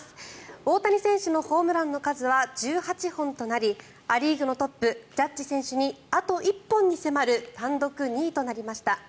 大谷選手のホームランの数は１８本となりア・リーグのトップジャッジ選手にあと１本に迫る単独２位となりました。